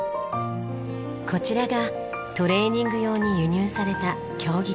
こちらがトレーニング用に輸入された競技艇。